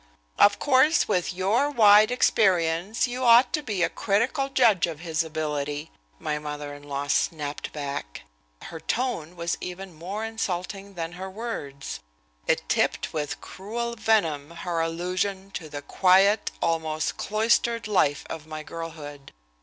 "Of course, with your wide experience, you ought to be a critical judge of his ability," my mother in law snapped back. Her tone was even more insulting than her words. It tipped with cruel venom her allusion to the quiet, almost cloistered life of my girlhood.